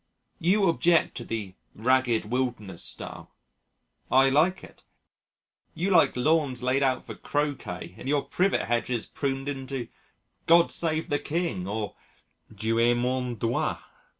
"You object to the 'ragged wilderness' style, I like it. You like lawns laid out for croquet and your privet hedges pruned into 'God Save the King' or 'Dieu et mon droit.'